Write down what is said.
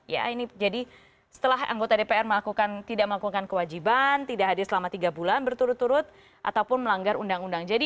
ya ini jadi setelah anggota dpr melakukan tidak melakukan kewajiban tidak hadir selama tiga bulan berturut turut ataupun melanggar undang undang